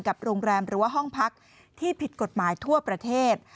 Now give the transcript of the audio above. โรงแรมหรือว่าห้องพักที่ผิดกฎหมายทั่วประเทศ